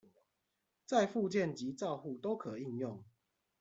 在復健及照護都可應用